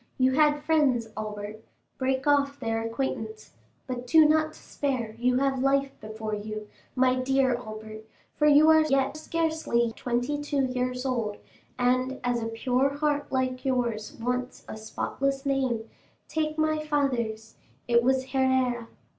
You had friends, Albert; break off their acquaintance. But do not despair; you have life before you, my dear Albert, for you are yet scarcely twenty two years old; and as a pure heart like yours wants a spotless name, take my father's—it was Herrera.